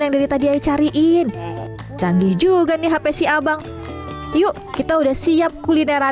yang dari tadi ayo cariin canggih juga nih hp si abang yuk kita udah siap kuliner